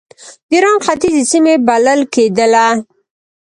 د ایران ختیځې سیمې بلل کېدله.